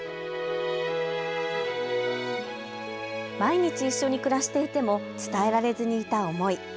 毎日一緒に暮らしていても伝えられずにいた思い。